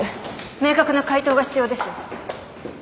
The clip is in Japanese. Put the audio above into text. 明確な回答が必要ですよ。